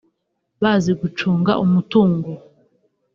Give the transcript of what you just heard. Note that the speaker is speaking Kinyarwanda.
bazi gucunga umutungo